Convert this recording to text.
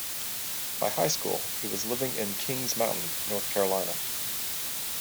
By high school, he was living in Kings Mountain, North Carolina.